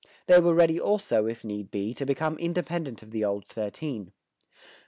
They were ready also, if need be, to become independent of the Old Thirteen.